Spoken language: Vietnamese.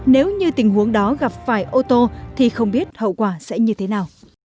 nếu như tình huống đó gặp phải ô tô thì không biết hậu quả sẽ như thế nào